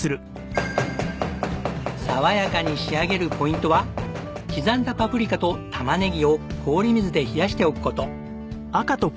爽やかに仕上げるポイントは刻んだパプリカとタマネギを氷水で冷やしておく事。